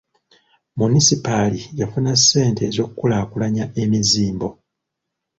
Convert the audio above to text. Munisipaali yafuna ssente ez'okukulaakulanya emizimbo.